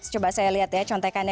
coba saya lihat ya contekannya